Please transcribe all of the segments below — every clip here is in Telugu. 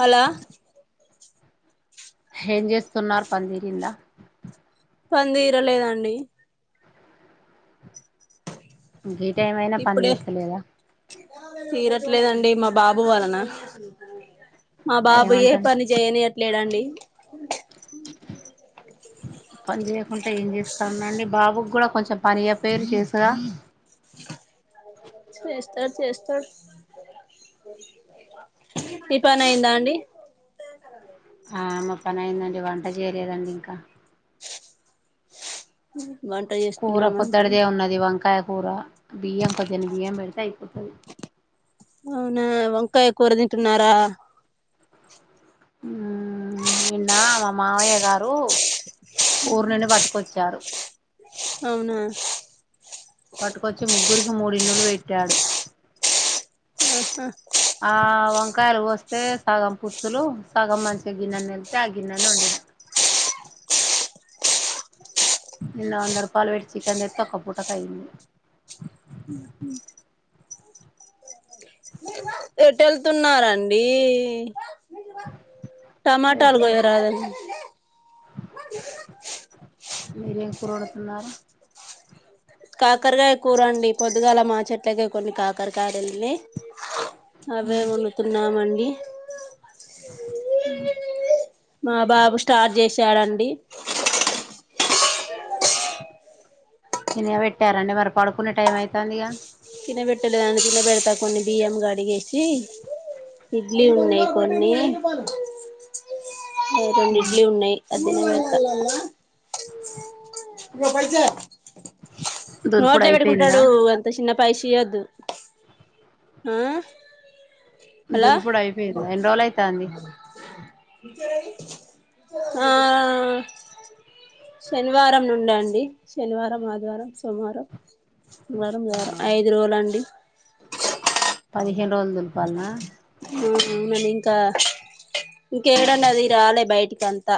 హలో ఏం చేస్తున్నారు పన్ తిరిందా పన్ తిరలేదండి గి టైం మయినా పన్ ఇప్పుడే తీర్తలేదా తీరట్లేదండి మా బాబు వాలన బాబు ఏ పని చేయనియార్ లేదండి పన్ జేయ్ కుం ఏం చేస్తామండి బాబుక్ కూడా కొంచెం పని ఇయ్య పేర్ చేసుగా చేస్తాడ్ చేస్తాడ్ ఈ పని అయిందా అండి ఆ మ పని అయిందండి వంట చేయలేదండి ఇంకా ఉ కూర పొద్ద్దడిదే ఉన్నది వంకాయ కూర బియ్యం కొద్దిని బియ్యం పెడితే అయిపోతది కాయ తింటున్నారా ఉమ్ నిన్న మా మావయ్య గారు ఊరి నుండి పట్టుకొచ్చారు అవునా పట్టుకొచ్చి ముగ్గురికి మూడిన్నులు పెట్టాడు ఆహా ఆ వంకాయలు వస్తే సగం పుచ్చులు సగం మంచిగా గిన్నెని వెళ్తే ఆ గిన్నెని వండినాడు నిన్న వంద రూపాయలు పెట్టి చికన్ తెత్తే ఒక పూటకు అయ్యంది ఎటు వెళ్తున్నారండి రేటు టమాటాలకొయ్యరద మీరేం కూరడుతున్నారు కాకరకాయ కూరండి పొద్దుగాల మా చెట్లకే కొన్ని కాకరకాడాలున్నాయ్ అదే వాడుతున్నాం అండి మా బాబు స్టార్ట్ చేసి చాడండి నినే పెట్టారాండి మరి పడుకునే టైం అవుతుంది ఇగా తినబెట్టలేదాన్ని తిన పెెడతా కొన్ని బియ్యం క అడిగేసి ఇడ్లీ ఉన్నాయి కొన్ని రెండు ఇడ్లీ ఉన్నాయి [inaudible] ఇవప్పైస దులుపుడు నోడ్లే అయిపోయిందా బట్కుంటాడు అంత చిన్న పైశి అద్దు ఆ హలో దుల్పుడు అయిపోయింది ఎయన్ని రోజుల అయితాంది ఆ శనివారం ను ఉండండి శనివారం ఆదివారం సోమవారం మంగళవారం బుధవారం ఐదు రోజులండి పదిహేను రోజులు దింపాలనా అవునండి ఇంకా ఇంకేడంనా అది రాలే బయటికి అంతా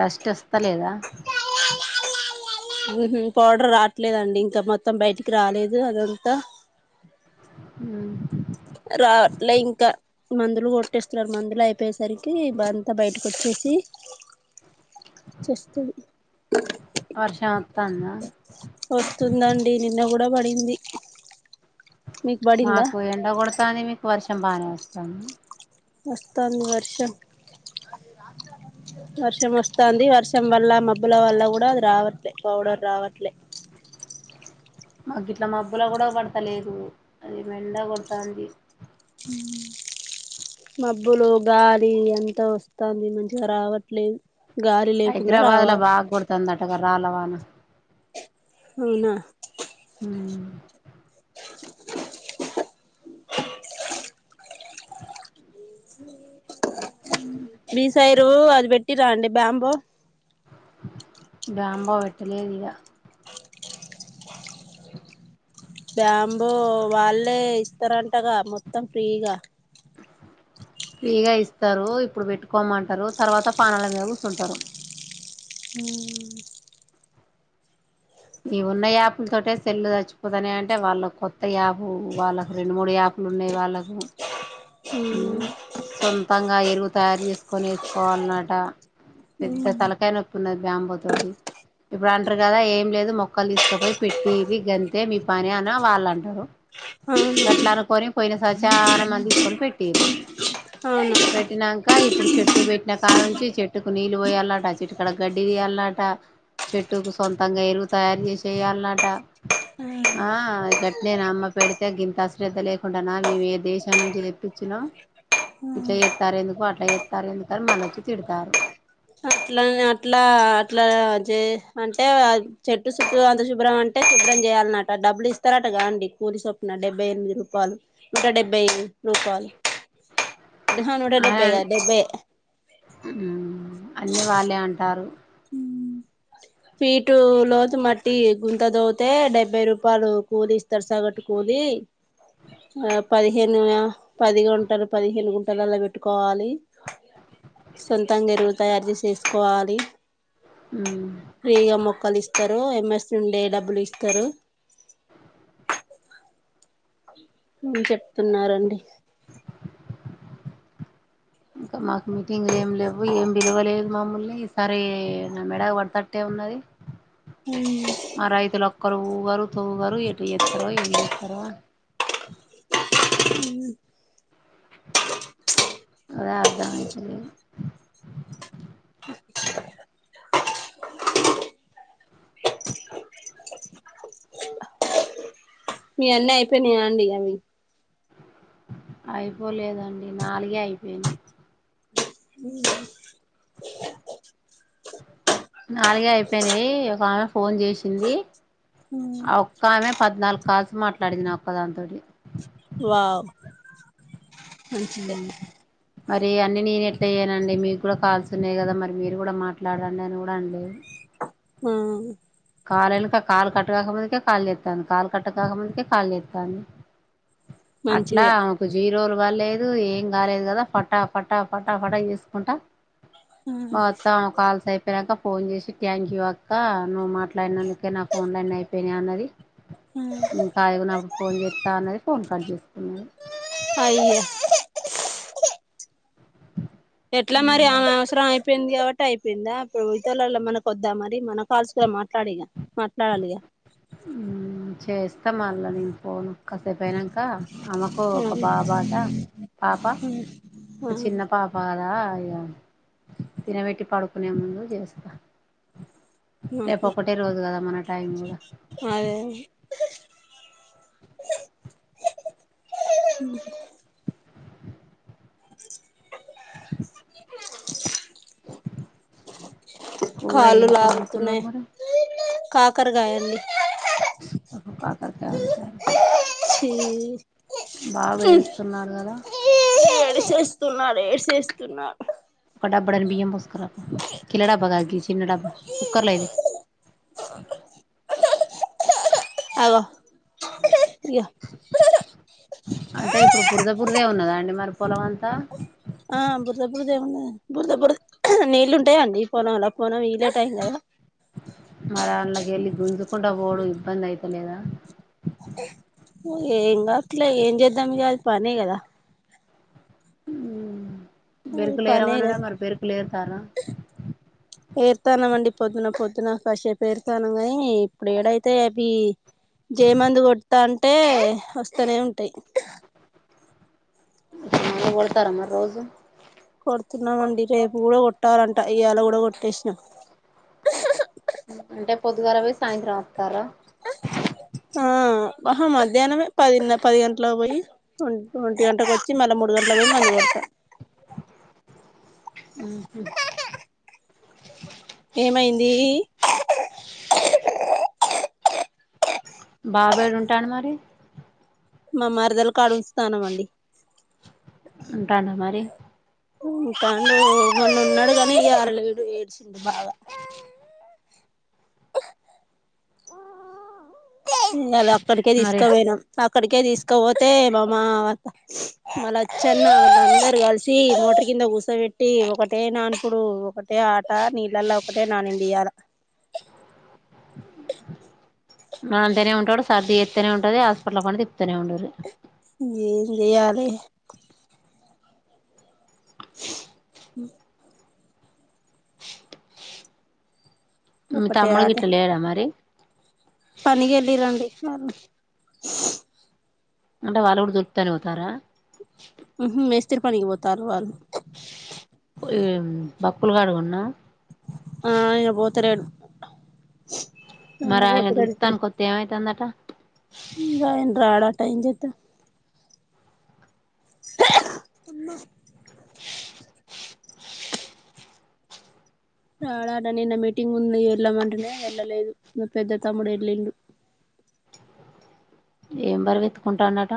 డస్ట్ వస్తా లేదా పౌడర్ రావట్లేదండి ఇంకా మొత్తం బయటికి రాలేదు అదంతా ఉమ్ లే ఇంకా మందులు కొట్టేస్తున్నారు మందులు అయిపోయేసరికి అంతా బయటకు వచ్చేసి చేస్తుంది ప్రశాంత్ వస్తుందండి నిన్న కూడా పడింది మీకు పడిందా మాకు ఎండ కొడతాని మీకు వర్ష చంబానే వస్తాంది వస్తుంది వర్షం వర్షం వస్తుంది వర్షం వల్ల మబ్బుల వల్ల కూడా అది రావట్లే పౌడర్ రావట్లే మాకు ఇట్లా మబ్బుల కూడా పడత లేదు అది మెండ కొడతంది మబ్బులు గాలి ఎంత వస్తుంది మంచిగా రావట్లేదు గాలి లేకుండా హైదరాబాద్ లో రావాలి బాగా కొడతాంది ఆట వార్ రాలవానా అవునా హ్మ్ ఇద అండి బాంబో బామ్బో వెెట్టలేెరిగా బ్యాంబో వాళ్ళే ఇస్తారంటగా మొత్తం ఫ్రీగా ఫ్రీగా ఇస్తారు ఇప్పుడు పెట్టుకోమంటారు తర్వాత పానాల మీ కూసుంటారు ము ఇ ఉన్న యాప్ల తోట సెల్లు చచ్చిపోతానే అంటే వాళ్ళ కొత్త యాప్ వాళ్ళకు రెండు మూడు యాప్లు ఉన్నాయి వాళ్ళకు ఉమ్ సొంతంగా ఎరువు తయారు చేసుకొని వేసుకోవాలన్నట పెద్ద అవును తలకాయ నొప్పుిన్నది బ్యాంబో తోటి ఇప్పుడు అంటారు కదా ఏం లేదు మొక్కలు తీసుకపోయి పెట్టి ఇది గంతే మీ పని అని వాళ్ళు అంటారు గట్లా అనుకొని పోయిన సచాల మంది తీ ని పెట్టి అవును పెట్టినాక ఇప్పుడు చెట్టు పెట్న కా నుంచి చెట్టుకు నీళ్ళు పోయాలట చెట్టు కడ గడ్డి తీయాలట చెట్టుకు సొంతంగా ఎరువు తయారు చేసేయాలన్నట ఆ ఇ గట్టి నేను అమ్మ పెడితే ఇంత అశ్రద్ధ లేకుండా నా మేము ఏ దేశం నుంచి పటిచ్చినాం ఇట్లా చేస్తారు ఎందుకు అట్లా చేస్తారు ఎందుకు మల్లా ఓచ్చి తిడతారు అట్లా అట్లా అట్లా చే అంటే చెట్టు చుట్టూ అంత శుభ్రం అంటే శుభ్రం చేయాలన్నట డబ్బులు ఇస్తారటగా అండి కూరి సొప్పున డెబ్బై ఎనిమిది రూపాయలు ఇంకా డెబ్బై రూపాయలు హనుట డబ్బేగా డబ్బే అన్ని వాళ్ళే అంటారు ఫీటు లోతు మట్టి గుంత తోతే డెబ్బై రూపాయలు కూలి ఇస్తారు సగట్టు కూలి ఆ పదిహేను పది గుంటలు పదిహేను గుంటలలా పెట్టుకోవాలి సొంతంగా ఎరువు తయారు చేసేసుకోవాలి ప్రీగా మొక్కలిస్త తరో ఎమర్ నుండే డబ్బులు ఇస్తారు చెప్తున్నారు అండి ఇంకా మాకు మీటింగ్లు ఏమి లేవు ఏమి విలువలేదు మమల్ని ఈసారి నా మెడ పడతట్టే ఉన్నది మ రైతులు క గారుతు వ ఎటు ఎత్త రూవ ఎజ ఎప్ప రూవ [inaudible] అదే అర్థమేతలేదు మీ అన్నీ అయిపోయినాయా అండి అవి అయిపోలేదండి నాలుగే అయిపోయింది ఉ నాలుగే అయిపోయినాయి ఒక ఆమె ఫోన్ చేసింది ఆ ఒక్క ఆమె పద్నాలుగు కాల్స్ మాట్లాడింది నా ఒక్క దానితోటి వావ్ మంచిది మరి అన్నీ నేను ఎట్లా అయ్యాన అండి మీకు కూడా కాల్స్ ఉన్నాయి కదా మరి మీరు కూడా మాట్లాడండి అని కూడా అం లే హ్మ్ కాళ్ వెనక కాలు కట్ కాకముందుకే కాల్ చేస్తాంది కాల్ కట్ కాకముందుకే కాల్ చేస్తాంది అట్లా మంచిదే ఆమెకు జీరోలు ఇవలేదు ఏం కాలేదు కదా పటా పటా పటా పటా చేసుకుంటా మొత్తం కాల్స్ అయిపోయెదక ఫోన్ చేసి థ్యాంక్ యూ అక్కా నువు మాట్లా డినందుకే నా ఫోన్లన్నీ అయిపోయినాయి అన్నది నేను ఖాళీ గా ఉన్నప్పుడు ఫోన్ చేత్తా అన్నది ఫోన్ కట్ చెయ్ అయ్యో ఎట్లా మరి అవసరంయి అయిపోయింది కాబట్టి అయిపోయిందా ఇప్పుడు ఇతరులలో మనకు వద్దా మరి మనం కాల్చకు మాట్లాడిగా మాట్లాడాలిగా చేస్తా ఇస్త మల్లో నేను పోను కాసేపుయినాక ఆమెకు ఒక బాబాట పాప ఒక చిన్న పాప కద అయ్యా తినబెట్టి పడుకునే ముందు చేస్తా రేపు ఒకటే రోజు కదా మన టైమ్గా అ కూర కాళ్ళు ఏం కూరంటతున్నా మరి కాకరగాయని ఓహ కాక తారు ఛీ బాగా వేడుస్తున్నారు కదా చేస్తున్నారు ఏసస్తున్నారు డబ్బడన బ ముస్త కిలడ బగా ఆగి చిన్న డబ్బా కుక్కర్లో ఇది అవ అంటే ఇప్పుడు పురుదపుురిదే ఉన్నదా అండి మరి పొలం అంతా ఆ బురదపుురద ఏముండ బురదపుుర్ నీళ్ళలు ఉంటాయా అండి పోనం అలా పోన వీ లేట్ అయింద అ ఎలి గుంజుకుడా బోడు ఇబ్బంది అఐతలే అదా ఏం కా అట్లే ఏం చేద్దాం అల పనే కదా హ అది పెరుకు లే పనే ఏరవానాడం కదా మరి పెరుకులేరుతానా ఏరుతానం అండి పొద్దున పొద్దున కాస్సేపు ఏరుతానుం కానీ ఇప్పుడు ఏడైతే అవి జయమందు కొడతా అంటే వస్తూనే ఉంటాయి పోలుతారా మరి రోజు కొడుతున్నామండి రేపు కూడాడ కొట్టాలంటే ఇయాలా కూడా కొట్టేసిన అంటే పొద్గారావి సాయంత్రం తర అహ మధ్యాహ్నమే పదిన్న పది గంటలకు పోయి ఒన్ ఒంటి గంటకు వచ్చి మళ్ళ మూడు గంటలకు పోయి మళ్ళీ పోత మ్మ్ హ్మ్ ఏమైంది బాబేడుంటాండు మరి మామరదల కాడ ఉంచుతానం అండి ఉంటాండ మరి కానీ మొన్న ఉన్నడు కానీ అరలేడు ఇయాల ఏడ్చిండు బాగా నెల అక్కడికే మరి తీసకపోయినాం అక్కడికే తీసకపోతే మామ మా లచ్చన్న వాళ్ళ అందరు కలిసి మోటరు కింద కూసబెట్టి ఒకటే నానుపుడు ఒకటే ఆట నీళ్ళలా ఒకటే నానిండియాల నాంతనే ఉంటాడు సర్ది చేత్తనే ఉంటది హాస్పిటల్లో పడి తిప్తనే ఉండుర్రి ఏం చేయాలి హ మీ తమ్ముడు గిట్ల లేడా మరి పనికెళ్ళిరండి మమ అంటే వాళ్ళు కూడా దొరుకుతనే పోతారా మ్మ్ హ్మ్ మేస్త్రి పనికి పోతారు వాళ్ళు బక్కులుకాడు కున్నా తరుణ్ మరి ఆయన దుతాను కొత్తే ఏమైతందన్ ట ఇంక ఆయన ఆడా టైం చొతే అమ్మ రాడట నిన్న మీటింగ్ ఉంది వెళ్ళమంటేనే వెళ్ళలేదు పెద్ద తమ్ముడు ఎళ్ళిండు ఏం బరువెత్తుకుంటాండట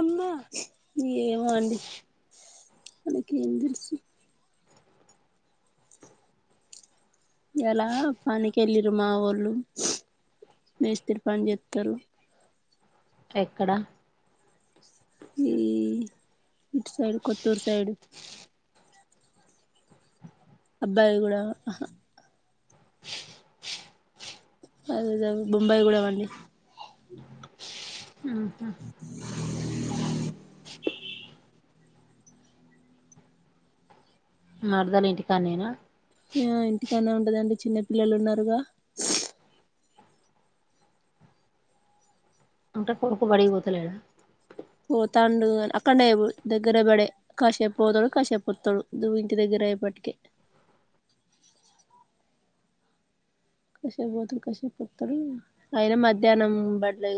అమ్మా ఏమో అండి ఓకే అని తెలుసు ఈయాల పనికి వెళ్ళిర్రు మా వోళ్ళు మేస్త్రి పని చేత్తరు ఎక్కడ మ్ ఇటు సైడు కొత్తూరు సైడ్ అబ్బాయి గూడా అదేదే అ బొంబాయి కూడవన్నీ మరదలు ఇంటి కాన్నేనా ఆ ఇంటికాన్నే ఉంటదండి చిన్న పిల్లలు ఉన్నారుగా అంటే కొడుకు బడికి పోతలేడా పోతాండు అక్కడన్నే దగ్గరె బడే కాషేపు పోతాడు కాషేపు వత్తడు ఇంటి దగ్గరె అయ్యేపాటికె కాషేపు పోతడు కాషేపు అత్తడు అయిన మధ్యానం బడి లేదు